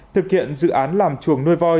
thực hiện dự án làm chuồng nuôi voi